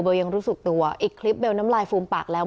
ยังรู้สึกตัวอีกคลิปเบลน้ำลายฟูมปากแล้ว